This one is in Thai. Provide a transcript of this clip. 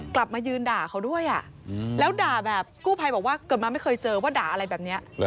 กลับมายืนด่าเขาด้วยแล้วด่าแบบกู้ภัยบอกว่าเกิดมาไม่เคยเจอว่าด่าอะไรแบบนี้